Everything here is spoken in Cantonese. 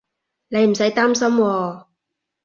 你唔使擔心喎